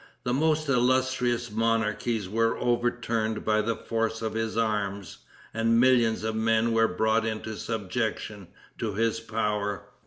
The most illustrious monarchies were overturned by the force of his arms, and millions of men were brought into subjection to his power.